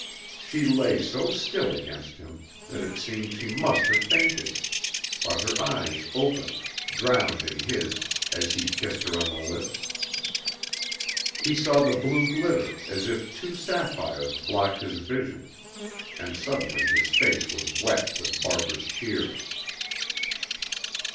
She lay so still against him, that it seemed she must have fainted; but her eyes opened, drowned in his, as he kissed her on the lips. He saw the blue glitter, as if two sapphires blocked his vision, and suddenly his face was wet with Barbara's tears.